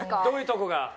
どういうとこが？